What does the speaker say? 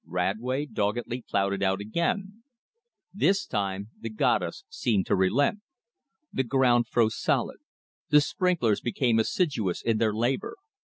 Radway doggedly plowed it out again. This time the goddess seemed to relent. The ground froze solid. The sprinklers became assiduous in their labor.